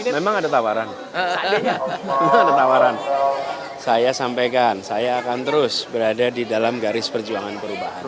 memang ada tawaran itu ada tawaran saya sampaikan saya akan terus berada di dalam garis perjuangan perubahan